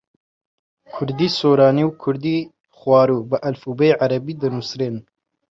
کوردیی سۆرانی و کوردیی خواروو بە ئەلفوبێی عەرەبی دەنووسرێن.